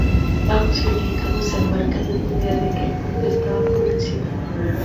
Ambos significados se enmarcan en la idea de que el puerto estaba "por encima".